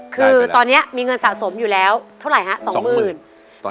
คือตอนนี้มีเงินสะสมอยู่แล้วเท่าไหร่ฮะ๒๐๐๐บาท